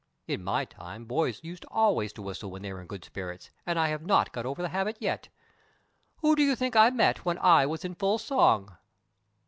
(In my time boys used always to whistle when they were in good spirits, and I have not got over the habit yet.) Who do you think I met when I was in full song?"